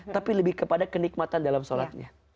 tapi lebih kepada kenikmatan dalam sholatnya